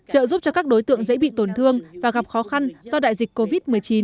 trợ giúp cho các đối tượng dễ bị tổn thương và gặp khó khăn do đại dịch covid một mươi chín